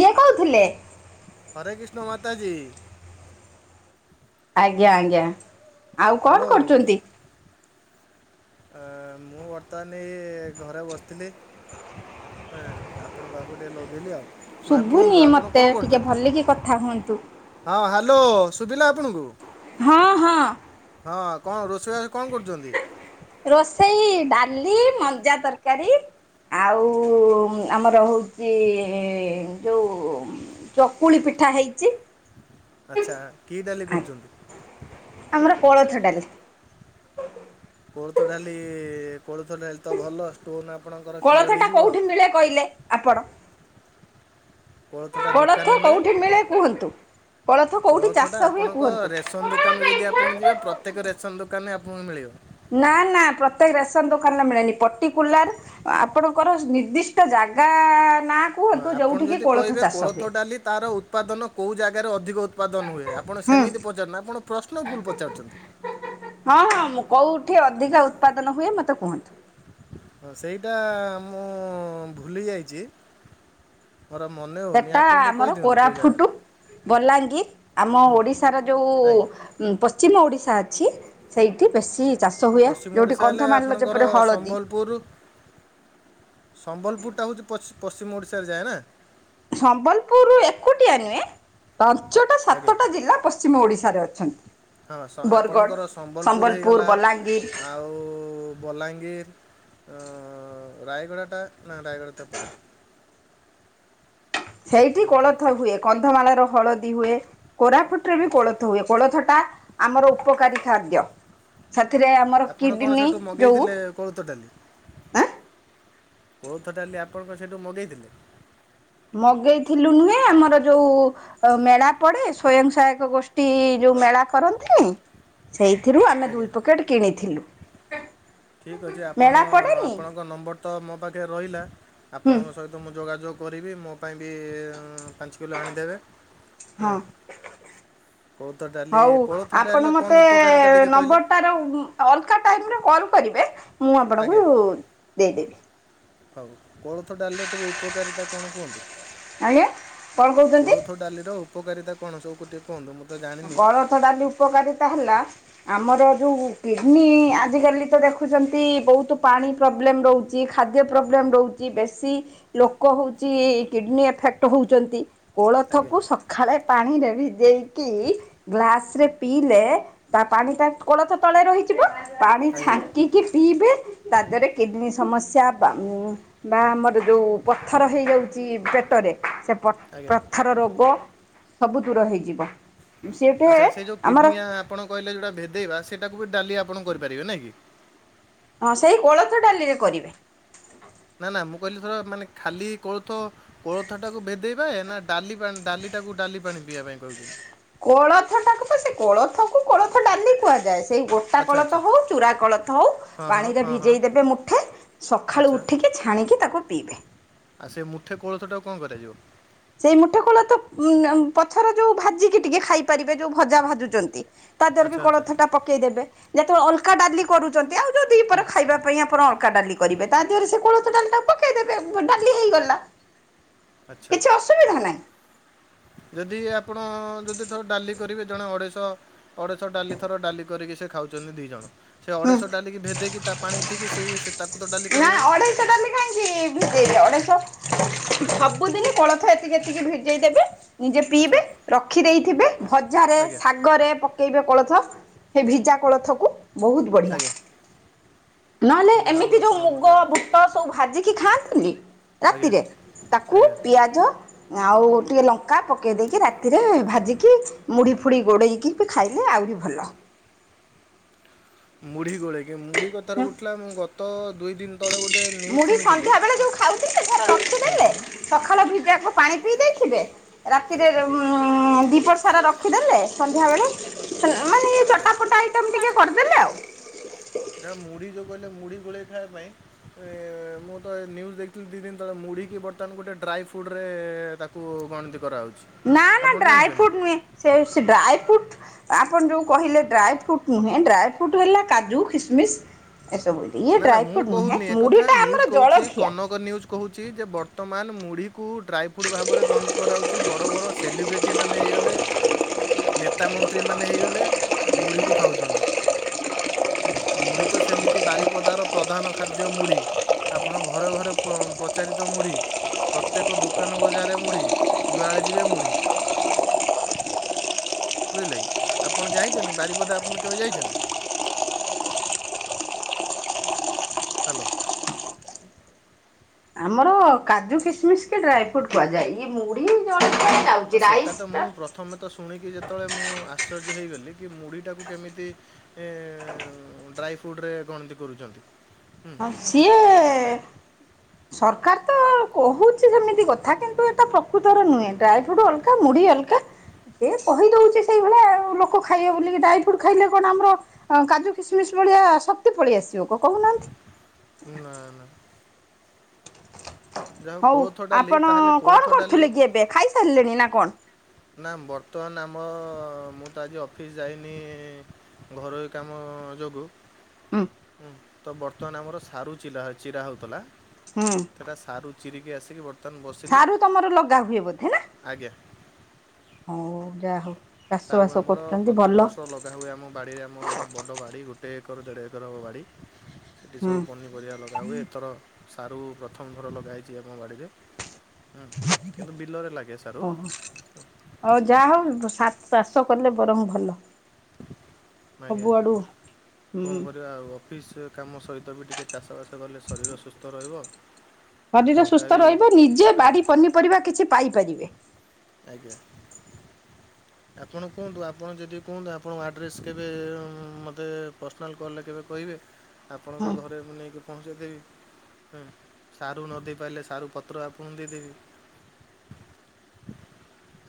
କିଏ କହୁଥିଲେ? ହରେ କୃଷ୍ଣ ମତା ଜୀ। ଆଜ୍ଞା ଆଜ୍ଞା ଆଉ ହ୍ୟାଲୋ କଣ କରୁଛନ୍ତି? ଆ ମୁଁ ବର୍ତ୍ତମାନ ଏଇ ଘରେ ବସିଥିଲି। ହୁଁ ଆପଣଙ୍କ ପାଖକୁ ଟିକେ ଲଗେଇଲି ଆଉ। ମା ଶୁଭୁନି କୁହନ୍ତୁ ଆପଣ ମତେ କଣ ଟିକେ କରୁଛନ୍ତି ଭଲିକି କଥା ହୁଅନ୍ତୁ। ହଁ ହ୍ୟାଲୋ ସୁଭିଲା। ଆପଣଙ୍କୁ ହଁ ହଁ। ହଁ କଣ ରୋଷେଇ ବାସ ରୋଷେଇ ଡାଲି ମଞ୍ଜା ତରକାରୀ ଆଉ ଆମର ହଉଛି ଇ ଇ ଯୋଉ ଚକୁଳି ପିଠା ହେଇଛି। ଆଚ୍ଛା କି ଡାଲି କରୁଛନ୍ତି? ଆମର କୋଳଥଟାଲି। କୋଳଥ ଡାଲି କୋଳଥ ଡାଲି ତ ଭଲ ଷ୍ଟୋନ କୋଳଥ ଟା କୋଉଠି ମିଳେ କହିଲେ ଆପଣ? କୋଳଥଟା କୋଳଥ କୋଉଠି ମିଳେ କୁହନ୍ତୁ? କୋଉଠି କୋଳଥ ଚାଷ ଟା ହୁଏ ଆପଣଙ୍କ କୁହନ୍ତୁ? ରେସନ ଦୋକାନରୁୁ ଯଦି ଆପଣ ଯିବେ ପ୍ରତ୍ୟେକ ରେସନ ଦୋକାନ ଆପଣଙ୍କୁ ମିଳିବ। ନା ନା ପ୍ରତ୍ୟେକ ରେସନ ଦୋକାନ ମିଳେନି ପର୍ଟିକୁଲାର ଆପଣଙ୍କର ନିର୍ଦ୍ଦିଷ୍ଟ ଜ ଖେଗା ହଁ ଆପଣ ଯଦି କହିବେ କୋଳଥ ଡାଲି ତାର ଉତ୍ପାଦନ କେଉଁ ଜାଗାରେ ଅଧିକ ଉତ୍ପାଦନ ହୁଏ ଆପଣ ହୁଁ। ସେମିତି ପଚାରୁନା ଆପଣ ପ୍ରଶ୍ନ ଭୁଲ ପଚାରୁଛନ୍ତି। ହଁ ହଁ ମୁଁ କୋଉଠି ଅଧିକ ଉତ୍ପାଦନ ହୁଏ ମତେ କୁହନ୍ତୁ? ହଁ ସେଇଟା ମୁଁ ଭୁଲି ଯାଇଛି। ମୋର ମନେ ହଉନି ସେଟା ଆପଣ ଟିକେ ଆମର କହିଦିଅନ୍ତୁ କୋଉ ଜାଗାରେ କୋରାଫୁଟୁ ବଲାଙ୍ଗୀର ଆମ ହୁଁ ଓଡିଶାର ଆଜ୍ଞା ଯୋଉ ପଶ୍ଚିମ ଓଡିଶା ଅଛି ସେଇଠି ବେଶୀ ଚାଷ ହୁଏ ପଶ୍ଚିମ ଯୋଉଠି ଓଡ଼ିଶା ହେଲେ କନ୍ଧମାଳ ର ଆପଣଙ୍କର ଯେପରି ହଳଦୀ ସମ୍ବଲପୁର ସମ୍ବଲପୁରଟା ହଉଛି ପଶ୍ଚିମ ଓଡ଼ିଶାରେ ଯାଏ ନା। ସମ୍ବଲପୁରରୁୁ ଏକୁଟିଆ ନୁହେଁ। ପାଞ୍ଚଟା ଆଜ୍ଞା ସାତଟା ଜିଲ୍ଲା ପଶ୍ଚିମ ଓଡିଶାରେ ଅଛନ୍ତି। ହଁ ବରଗଡ଼ ଆପଣଙ୍କର ସମ୍ବଲପୁର ହେଇଗଲା ଆଉ ବଲାଙ୍ଗୀର ରାୟଗଡ଼ା ଟା ନା ରାୟଗୁଡା ତ ଏପଟେ ସେଇଠି କୋଳଥ ହୁଏ କନ୍ଧମାଳ ର ହଳଦୀ ହୁଏ। କୋରାପୁଟରେ ବି ଆଚ୍ଛା କୋଳଥ ହୁଏ କୋଳଥଟା ଆମର ଉପକାରୀ ଖାଦ୍ୟ। ସେଥିରେ ଆମର ଆପଣ କ'ଣ କିଡନୀ ସେଠୁ ଯୋଉ ମଗେଇଥିଲେ କୋଳଥ ଡାଲି ଆଁ କୋଳଥ ଡାଲି ଆପଣଙ୍କ ସେଇଠୁ ମଗେଇଥିଲେ। ମଗେଇଥିଲୁ ନୁହେଁ ଆମର ଯୋଉ ମେଳା ପଡେ ସ୍ଵୟଂ ସହାୟକ ଗୋଷ୍ଠୀ। ଯେଉଁ ମେଳା କରନ୍ତିନି ସେଇଥିରୁ ଆମେ ଆଜ୍ଞା ଦୁଇ ପକେଟ୍ କିଣିଥିଲୁ। ଠିକ୍ ଅଛି ଆପଣ ମେଳା ପଡ଼େନି ଆପଣଙ୍କ ନମ୍ବର ତ ମୋ ପାଖରେ ରହିଲା। ହୁଁ ଆପଣଙ୍କ ସହିତ ମୁଁ ଯୋଗାଯୋଗ କରିବି ମୋ ପାଇଁ ବି ପାଞ୍ଚ କିଲୋ ଆଣିଦେବେ। ହଁ କୋଳଥ ଡାଲି ହଉ କୋଳଥ ଡାଲିର ଆପଣ କ'ଣ ମତେ ଉପକାରିତା ଟିକେ କହିଲେ ନମ୍ବର ଟାର ଅଲଗା ଟାଇମ୍ କଲ କରିବେ ମୁଁ ଆଜ୍ଞା ଆପଣଙ୍କୁ ଦେଇଦେବି। ହଉ। କୋଳଥ ଡାଲିର ଟିକେ ଉପକାରିତା କଣ କୁହନ୍ତୁ ଆଜ୍ଞା କଣ କହୁଛନ୍ତି କୋଳଥ ଡାଲିର? ଉପକାରିତା କଣ ସବୁ ଟିକେ କୁହନ୍ତୁ? ତ ଜାଣିନି କୋଳଥ ଡାଲି ଉପକାରିତା ହେଲା ଆମର ଯୋଉ କିଡ଼ନୀ ଆଜିକାଲି ତ ଦେଖୁଛନ୍ତି ବହୁତ ପାଣି ପ୍ରୋବ୍ଲେମ୍ ରହୁଛି ଖା ଖାଦ୍ୟ ପ୍ରୋବଲେମ ରହୁଛି ବେଶି ଲୋକ ହଉଛି କୀଡିନ ଆଫେକଟ ହଉଛନ୍ତି। ଆଜ୍ଞା କୋଳଥକୁ ସକାଳେ ପାଣିରେ ଭିଜେଇ କି ଗ୍ଲାସ୍ ରେ ପିଇଲେ ତା ପାଣି ଟା କୋଳଥ ତଳେ ରହିଯିବ। ପାଣି ଆଜ୍ଞା ଛାଙ୍କିକି ପିଇବେ ତା ଦେହରେ କିଡ୍ନୀ ସମସ୍ ସ୍ୟା ବା ମ୍ ଆମର ଯୋଉ ପଥର ହେଇଯାଉଛି ପେଟରେ ସେ ପ ଆଜ୍ଞା ପଥର ରୋଗ ସବୁ ଦୂର ହେଇଯିବ। ସେଠେ ଆଚ୍ଛା ସେ ଯୋଉ ଆମର କିଡ୍ନୀଆ ଆପଣ କହିଲେ ଯୋଉଟା ଭେଦେଇବା ସେଟାକୁ ବି ଡାଲି ଆପଣ କରିପାରିବେ ନାଁ କି? ହଁ ସେଇ କୋଳଥ ଡାଲିରେ କରିବେ। ନା ନା ମୁଁ କହିଲି ଧର ମାନେ ଖାଲି କୋଳଥ କୋଳଥ ଟାକୁ ଭେଦେଇବା ନା ଡାଲି ବାନ୍ ଡାଲି ଟାକୁ ଡାଲି ପାଣି ପିଇବା ପାଇଁ କହୁଛନ୍ତି। କୋଳଥ ଟାକୁ ତ ସେ କୋଳଥକୁ କୋଳଥ ଡାଲି କୁହାଯାଏ। ସେଇ ଗୋଟା ଆଚ୍ଛା କୋଳଥ ଆଚ୍ଛା ହୋଉ ଚୁରା କୋଳଥ ହୋଉ ହଁ ହଁ ପାଣିରେ ହଁ ହଁ ଭିଜେଇ ଦେବେ ମୁଠେ ସଖାଳୁ ଆଚ୍ଛା ଉଠିକି ଛାଣିକି ତାକୁ ପିଇବେ। ଆଉ ସେ ମୁଠେ କୋଳଥ ଟାକୁ କଣ କରାଯିବ? ସେଇ ମୁଠେ କୋଳଥ ଉଁମ୍ ଅମ୍ ପଛର ଯୋଉ ଭାଜିକି ଟିକେ ଖାଇ ପାରିବେ ଯୋଉ ଭଜା ଭାଜୁଚନ୍ତି। ତା ଦେହରେ ବି ଆଚ୍ଛା ଆଚ୍ଛା କୋଳଥଟା ପକେଇଦେବେ ଯେତେବେଳେ ଅଲ୍ କା ଡାଲି କରୁଛନ୍ତି ଆଉ [unintelligible] ଦି ପର ଖାଇବା ପାଇଁ ଆପଣ ଅକା ଡାଲି କରିବେ ତା ଦେହରେ ସେ କୋଳ ଥ ଡାଲି ଟା ପକେଇଦେବେ ବ ଡାଲି ହେଇଗଲା। ଆଚ୍ଛା କିଛି ଅସୁବିଧା ନାହିଁ। ଯଦି ଆପଣ ଯଦି ଥର ଡାଲି କରିବେ ଜଣେ ଅଢ଼େଇଶ ଅଢ଼େଇଶ ଡାଲି ଥର ଡାଲି କରି କି ସେ ଖାଉଛନ୍ତି ଦି ଜଣ ସେ ହୁଁ। ଅଢ଼େଇଶ ଡାଲିକି ଭେଦେଇକି ତା ପାଣି ପିଇକି ସେଇ ସେ ତାକୁ ତ ଡାଲି ନା କରିହେବ। ଅଢ଼େଇଶ ଡାଲି କାହିଁକି ଭିଜେଇଚ ଅଢ଼େଇଶ ସବୁଦିନି କୋଳଥ ଏତିକି ଏତିକି ଭିଜେଇ ଦେବେ ନିଜେ ଆଚ୍ଛା ପିଇବେ ରଖି ଦେଇଥିବେ ଭଜାରେ ଆଜ୍ଞା ଶାଗରେ ପକେଇବେ କୋଳଥ। ସେ ଭିଜା କୋଳଥକୁ ବୋହୁତ୍ ବଢ଼ିଆ। ଆଜ୍ଞା ନହେଲେ ଯାହା ହଉ ଏମିତି ଆପଣ ଯୋଉ ମୁଗ ଗୋଟେ ବୁଟ ସବୁ ଭାଜିକି ଖାଆନ୍ତିନି। ଆଜ୍ଞା ରାତିରେ ତାକୁ ଆଜ୍ଞା ପିଆଜ ଆଉ ଟିକେ ଲଙ୍କା ପକେଇ ଦେଇକି ରାତିରେ ଭାଜିକି ମୁଢ଼ି ଫୁଡ଼ି ଗୋଡ଼େଇକି ବି ଖାଇଲେ ଆ ଆଉରି ଭଲ। ମୁଢି଼ ଗୋଳେଇକି ମୁଢି଼ କଥାରୁ ଉଠିଲା ମୁଁ ଗତ ଦୁଇ ଦିନ୍ ମୁଢି଼ ସନ୍ଧ୍ୟା ବେଳେ ଯୋଉ ଖାଉଥିଲେ ସେରା ହୁଁ ରଖିଦେଲେ ହୁଁ ସଖାଳ ଭିଜାକୁ ପାଣି ପିଇ ଦେଖିବେ ରାତିରେ ରମ୍ ଦି ପର ସାରା ରଖିଦେଲେ ସନ୍ଧ୍ୟାବେଳେ ମାନେ ଇଏ ଆଜ୍ଞା ଚଟା ପଟ୍ ଆଇଟମ୍ ଟିକେ କରିଦେବେ ଆଉ। ଯାହା ମୁଢ଼ି ଯେଉଁ କହିଲେ ମୁଢ଼ି ଗୋଳେଇ ଖାଇବା ପାଇଁ ଅଁ ମୁଁ ତ ନିୟୁଜ୍ ଦେଖିଥିଲି ଦି ଦିନି ତଳେ ମୁଢ଼ି କି ବର୍ତ୍ତମାନ ଗୋଟେ ଡ ପ୍ଲାଏ ଫୁଡ୍ ରେ ତାକୁ ଗଣତି କରାଉ ନା ନା ଡ୍ରାଏ ଫୁଡ୍ ନୁହେଁ ସେ ସେ ଡ୍ରାଏ ଫ୍ରୁଟ୍ ଆପଣ ଯୋଉ କହିଲେ ଡ୍ରାଏ ଫ୍ରୁଟ୍ ନୁହେଁ ଡ୍ରାଏ ଫ୍ରୁଟ୍ ହେଲା କାଜୁ ଖିସ୍ ମିସ୍। ନା ନା ମୁଁ କହୁନି ଏକଥା ନିୟୁଜ୍ ଆମର କହୁଛି ଜଳଖିଆ କନକ ନିୟୁଜ୍ କହୁଛି ଯେ ବର୍ ତମାନ୍ ମୁଢ଼ିକୁ ଡ୍ରାଏ ଫୁଡ୍ ଭାବରେ ଗଣତି କରାହୋଉଛି ବଡ଼ ବଡ଼ ସେଲିବ୍ରେଟି ମାନେ ହେଇଗଲେ ନେତା ମନ୍ତ୍ରୀମାନେ ହେଇଗଲେ ମୁଢ଼ିକୁ ଖାଉଛନ୍ତି। ହୁଁ ମୁଢି଼ ତ ସେମିତି ବାରି ପଦାର ପ୍ରଧାନ ଖାଦ୍ୟ ମୁଢ଼ି ଆପଣ ଘରେ ଘରେ ପ-ପ୍ରଚାରିତ ମୁଢ଼ି। ପ୍ରତ୍ୟେକ ଦୋକାନ ବଜାରେ ମୁଢ଼ି ଯୁଆଡ଼େ ଯିବେ ମୁଢ଼ି। ବୁଝିଲେ ଆପଣ ଯାଇଛନ୍ତି ବାରିପଦା ଆପଣ କେବେ ଯାଇଛନ୍ତି? ହ୍ୟାଲୋ। ଆମର କାଜୁ ଖିସ୍ ମିସ୍ କି ଡ୍ରାଏ ଫୁଡ୍ କୁହାଯାଏ ଇଏ ମୁଢି ଜ ହଁ ସେଟା ତ ମୁଁ ପ୍ରଥମ ତ ଶୁଣିକି ଯେତେବେଳେ ମୁଁ ଆଶ୍ଚର୍ଯ୍ୟ ହେଇଗଲି କି ମୁଢ଼ି ଟାକୁ କେମିତି ଏଁ ଡା ଡ୍ରାଇ ଫୁଡ୍ ରେ ଗଣତି କରୁଛନ୍ତି। ହୁଁ ହଁ ସିଏ ସର୍ କାର୍ ତ କହୁଚି ସେମିତି କଥା କିନ୍ତୁ ଏଟା ପ୍ରକୃତର ନୁହେଁ ଡ୍ରାଇ ଫ୍ରୁଟ୍ ଅଲଗା ମୁଢ଼ି ଅଲଗା। ସେ କହିଦଉଚି ସେଇଭଳିଆ ଲୋକ ଖାଇବେ ବୋଲିକି। ଡ୍ରାଇ ଫ୍ରୁଟ୍ସ ଖାଇଲେ କଣ ଆମର କାଜୁ କିସମିସ ଭଳିଆ ସକ୍ତି ପଳେଇ ଆସିବ କହୁନା ନା ନା। ଯାହା ହଉ କୋଳଥ ଡାଲି ଆପଣ ତାହେଲେ କୋଳଥ କଣ ଡାଲି କରୁଥିଲେ କି ଏବେ? ଖାଇସାରିଲେଣି ନା କଣ? ନା। ବର୍ତ୍ତମାନ ଆମ। ମୁଁ ତ ଆଜି ଅଫିସ ଯାଇନି। ଘରୋଇ କାମ ଯୋଗୁଁ। ହୁଁ ତ ବର୍ତ୍ତମାନ ଆମର ସାରୁ ଚିଲା, ଚିରା ହଉଥିଲା। ହୁଁ ସେଟା ସାରୁ ଚିରିକି ଆସିକି ବର୍ତ୍ତମାନ ବସିଲି ସାରୁ ତମର ଲଗା ହୁଏ ବୋଧେ ନା। ଆଜ୍ଞା ହଉ ଯାହା ହଉ। ଚାଷ ସାରୁ ବାସ ଆମର କରୁଛନ୍ତି ପ୍ରତ୍ୟେକ ଭଲ ବର୍ଷ ଲଗା ହୁଏ ଆମ ବାଡ଼ିରେ। ଆମର ଗୋଟେ ବଡ଼ ବାଡ଼ି ଗୋଟେ। ଗୋଟେ ଏକର ଦେଢ଼ ଏକର ହେବ ବାଡ଼ି। ଏଠି ସବୁ ହୁଁ ପନିପରିବା ଲଗା ହୁୁଏ। ଏଥର ସାରୁ ପ୍ରଥମଥର ଲଗାହଇଚି ଆମ ବାଡ଼ିରେ। ହୁଁ। କିନ୍ତୁ, ବିିଲରେ ଲାଗେ। ସାରୁ ଓହୋଃ। ହଉ ଯାହା ହଉ ସା ଚାଷ କଲେ ବରଂ ଭଲ। ଆଜ୍ଞା। ସବୁଆଡ଼ୁ କଣ ହୁଁ କରିବା ଆଉ? ଅଫିସ୍ କାମ ସହିତ ବି ଟିକିଏ ଚାଷବାସ କଲେ ଶରୀର ସୁସ୍ଥ ରହିବ। ଶରୀର ଟଙ୍କା ସୁସ୍ଥ ବି ରହିବ। ନିଜେ ଆଜ୍ଞା ବାଡି ପନିପରିବା କିଛି ପାଇପାରିବେ। ଆଜ୍ଞା। ଆପଣ କୁହନ୍ତୁ। ଆପଣ ଯଦି କୁହନ୍ତୁ ଆପଣଙ୍କ ଆଡ୍ରେସ୍। କେବେ ମୋତେ ପର୍ସନାଲ୍ କଲ୍ ରେ କେବେ କହିବେ। ହଁ ଆପଣଙ୍କ ଘରେ ମୁଁ ନେଇକି ପହଞ୍ଚାଇ ଦେବି। ହୁଁ ସାରୁ ନଦେଇ ପାରିଲେ ସାରୁ ପତ୍ର ଆପଣଙ୍କୁ ଦେଇ ଦେବି। [inaudible]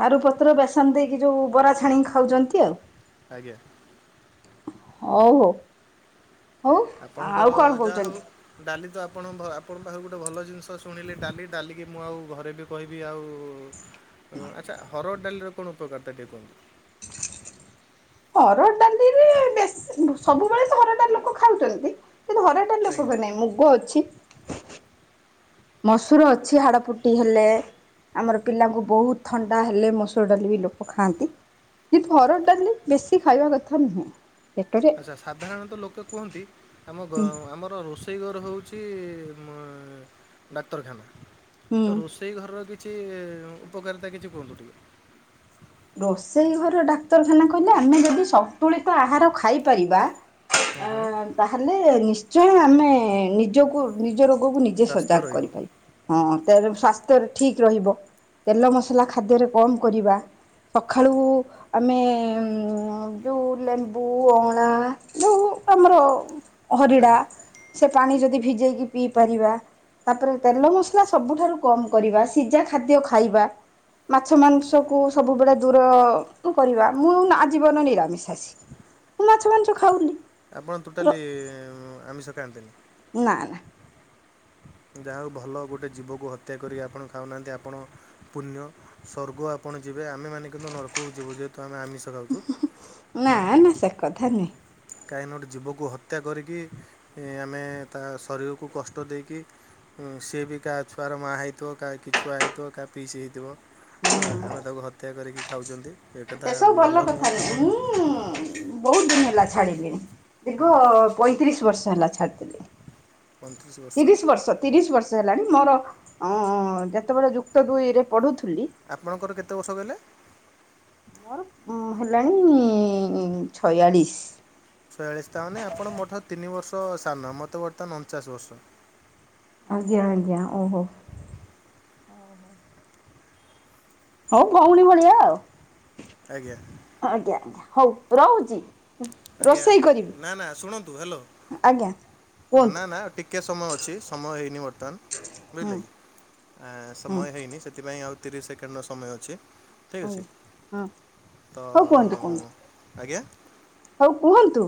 ସାରୁ ପତ୍ର ବେସନ ଦେଇକି ଯୋଉ ବରା ଛାଣିକି ଖାଉଚନ୍ତି ଆଉ। ଆଜ୍ଞା। ହଉ, ହଉ। ହଉ, ଆପଣଙ୍କର ଆଉ କଣ ଯାହା ହଉ କହୁଚନ୍ତି? ଡାଲି ତ ଆପଣ, ଆପଣଙ୍କ ପାଖରୁ ଗୋଟେ ଭଲ ଜିନିଷ ଶୁଣିଲି। ଡାଲି, ଡାଲିକି ମୁଁ ଆଉ ଘରେ ବି କହିବି ଆଉ ଆଚ୍ଛା। ହରଡ଼ ଡାଲିର କଣ ଉପକାରିତା ଟିକେ କୁହନ୍ତୁ। ହରଡ ଡାଲିରେ ବେଶୀ ସବୁବେଳେ ତ ହରଡାଲି ଲୋକ ଖାଉଚନ୍ତି। ହରଡ ଡ଼ାଲି ରେ ଆଜ୍ଞା ଉପକାରିତା ନାହିଁ, ମୁଗ ଅଛି। ମସୁର ଅଛି‌। ହାଡପୁଟି ହେଲେ ଆମର ପିଲାଙ୍କୁ ବହୁତ ଥଣ୍ଡା ହେଲେ ମସୁର ଡାଲି ବି ଲୋକ ଖାଆନ୍ତି। କିନ୍ତୁ ହରଡ଼ ଡାଲି ବେଶୀ ଖାଇବା କଥା ନୁହେଁ। ପେଟରେ ଆଚ୍ଛା। ସାଧାରଣତଃ ଲୋକେ କୁହନ୍ତି ଆମ ଘ ହୁଁ ଆମର ରୋଷେଇ ରୋଷେଇ ଘର ହେଉଚି ଉଁ ଡାକ୍ତରଖାନା। ହୁଁ। ତ ରୋଷେଇ ଘର ବି କିଛି ଉପକାରିତା କିଛି କୁହନ୍ତୁ ଟିକେ। ରୋଷେଇ ଘର ଡାକ୍ତରଖାନା କହିଲେ, ଆମେ ଯଦି ସନ୍ତୁଳିତ ଆହାର ଖାଇପାରିବା ହୁଁ ଅ ହୁଁ ତାହେଲେ ନିଶ୍ଚୟ ଆମେ ନିଜକୁ ନିଜର କୁ ନିଜେ ସ୍ୱାସ୍ଥ୍ୟ ସଜାଗ ରହିବ କରିପାରିବା। ହଁ। ତା ଧୂ ସ୍ୱାସ୍ଥ୍ୟ ଠିକ୍ ରହିବ। ତେଲ ମସଲା ଖାଦ୍ୟରେ କମ୍ କରିବା। ସକାଳୁ ଆମେ ଯେଉଁ ଲେମ୍ବୁ ଅଁଳା ଯଉଁ ଆମର ହରିଡା ଆଜ୍ଞା ସେ ପାଣି ଯଦି ଭିଜେଇକି ପିଇ ପାରିବା। ତାପରେ ତେଲ ମସଲା ସବୁଠାରୁ କମ କରିବା। ସିଝା ଖାଦ୍ୟ ଖାଇବା। ମାଛ ମାଂସ କୁ ସବୁବେଳେ ଦୂର କରିବା। ମୁଁ ଆଜୀବନ ନିରାମିଷାସି। ମୁଁ, ମାଛ, ମାଂସ ଖାଉନି। ଆପଣ ର ଟୋଟାଲି ଆମିଷ ଖାଆନ୍ତିନି। ନା, ନା। ଯାହା ହଉ ଭଲ ଗୋଟେ ଜୀବକୁ ହତ୍ୟା କରି ଆପଣ ଖାଉନାହାନ୍ତି। ଆପଣ ପୁଣ୍ୟ ସ୍ୱର୍ଗ। ଆପ ଣ ଯିବେ। ଆମେମାନେ କିନ୍ତୁ ନର୍କକୁ ଯିବୁ। ଯେହେତୁ ଆମେ ଆମିଷ ଖାଉଚୁ। ନା ଉଁ ନା ସେ କଥା ନୁହେଁ କାହିଁକିନା ଗୋଟେ ଜୀବକୁ ହତ୍ୟା କରିକି ଆମେ ସିଏ ବି କାହା ଛୁଆର ମା ହେଇଥିବ, କାହା କି ଛୁଆ ହେଇଥିବ, କାହା ପିୟୁସି ହେଇଥିବ। ହୁଁ ଆମେ ତାକୁ ହତ୍ୟା କରିକି ଖାଉଛନ୍ତି। ଏ କଥା ସେ ସବୁ ଭଲ ନୁହଁ କଥା। ଆପଣ ମୁଁ ବହୁତ ଦିନ ହେଲା ଛାଡ଼ିଲିନି। ଦୀର୍ଘ ହୁଁ, ପଇଁତିରିଶ ବର୍ଷ ହେଲା ଛାଡିଥିଲି। ତିରିଶ ବର୍ଷ ତିରିଶ ବର୍ଷ ହେଲାଣି। ମୋର ଅ ଯେତେବେଳେ ଯୁକ୍ତ ଦୁଇରେ ପଢୁ ଆପଣଙ୍କର କେତେ ବର୍ଷ କହିଲେ? ମୋର ହେଲାଣି ଛୟାଳିଶ। ଛୟାଳିଶ ତା ମାନେ ଆପଣ ମୋଠୁ ତିନି ବର୍ଷ ସାନ ମତେ ବର୍ତ୍ତମାନ ଅଣଚାଶ ବର୍ଷ। ଆଜ୍ଞା ଆଜ୍ଞା ଓହୋ ଓହୋ। ହଉ ଭଉଣୀ ଭଳିଆ ଆଉ ଆଜ୍ଞା ଆଜ୍ଞା ଆଜ୍ଞା ହଉ ରହୁଛି। ଆଜ୍ଞା ରୋଷେଇ କରିବି ନା ନା ଶୁଣନ୍ତୁ ହାଲୋ। ଆଜ୍ଞା ନା କୁହନ୍ତୁ ନା ଟିକେ ସମୟ ଅଛି ସମୟ ହେଇନି ବର୍ତ୍ତମାନ ହୁଁ ବୁଝିଲେ କି? ଆ ହୁଁ ସମୟ ହେଇନି ସେଥିପାଇଁ ଆଉ ତିରିଶ ସେକେଣ୍ଡ ର ସମୟ ଅଛି। ଠିକ ଅଛି ଆଜ୍ଞା ହଁ ତ ହଉ କୁହନ୍ତୁ କୁହନ୍ତୁ ଆଜ୍ଞା? ହଉ କୁହନ୍ତୁ।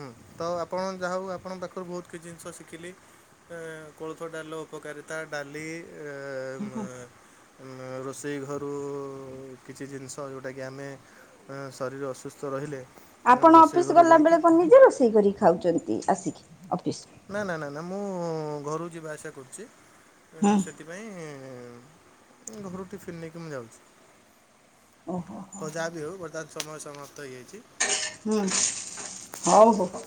ହୁଁ ତ ଆପଣ ଯାହାହଉ ଆପଣଙ୍କ ପାଖରୁ ବହୁତ କିଛି ଜିନିଷ ଶିଖିଲି। ଅ କୋଳଥ ଡାଲି ଉପକାରିତା ଡାଲି ହୁଁ। [unintelligible] ରୋଷେଇ ଘରୁ କିଛି ଜିନିଷ, ଯେଉଁଟାକି ଆମେ ଶରୀର ଅସୁସ୍ଥ ରହିଲେ। ଆପଣ ରୋଷେଇ ଅଫିସ ଘରୁ ଗଲା ଯାଇକି ବେଳେ କଣ ନିଜେ ରୋଷେଇ କରି ଖାଉଛନ୍ତି ଆସିକି? ଅଫିସ୍ ନା ନା ମୁଁ ଘରୁକୁ ଯିବା ଆସିବା କରୁଛି ହୁଁ ସେଥିପାଇଁ ଘରୁ ଟିଫିନ୍ ନେଇକି ମୁଁ ଯାଉଛି। ଓ ହୋ ହୋ। ତ ଯାହା ବି ହେଉ ବର୍ତ୍ତମାନ ସମୟ ସମାପ୍ତ ହୋଇଯାଇଛି। ହୁଁ ହଉ ହଉ।